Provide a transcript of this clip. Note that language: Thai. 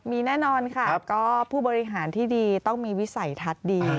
มีแน่นอนค่ะก็ผู้บริหารที่ดีต้องมีวิสัยทัศน์ดี